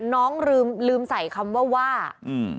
น้องลืมลืมใส่คำว่าว่าอืม